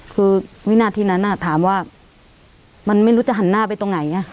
คือวินาทีนั้นถามว่ามันไม่รู้จะหันหน้าไปตรงไหน